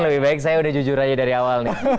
lebih baik saya udah jujur aja dari awal nih